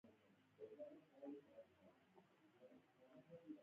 زده کړه نجونو ته د کونډو سره مرسته ور زده کوي.